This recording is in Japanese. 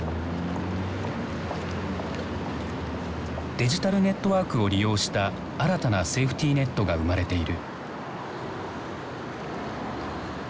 デジタルネットワークを利用した新たなセーフティーネットが生まれている。